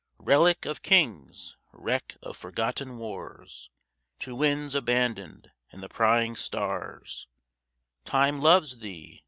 Relic of Kings! Wreck of forgotten wars, To winds abandoned and the prying stars, 10 Time 'loves' Thee!